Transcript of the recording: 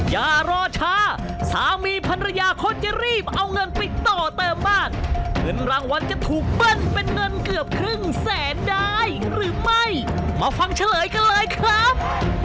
อย่ารอช้าสามีภรรยาเขาจะรีบเอาเงินไปต่อเติมบ้านเงินรางวัลจะถูกเบิ้ลเป็นเงินเกือบครึ่งแสนได้หรือไม่มาฟังเฉลยกันเลยครับ